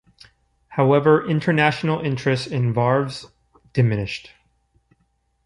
However, international interest in varves diminished.